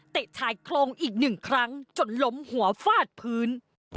ชายโครงอีกหนึ่งครั้งจนล้มหัวฟาดพื้น